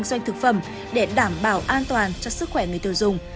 những loại thực phẩm để đảm bảo an toàn cho sức khỏe người tiêu dùng